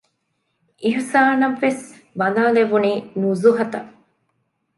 އިޙުސާނަށް ވެސް ބަލާލެވުނީ ނުޒުހަތަށް